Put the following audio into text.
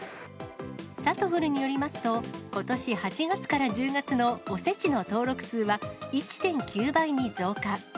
さとふるによりますと、ことし８月から１０月のおせちの登録数は、１．９倍に増加。